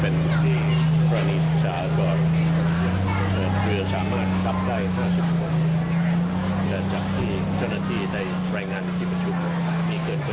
เป็นการแสดงความเหลือสมบัติของตอนที่ถามว่านายุบรัฐจอดออกมา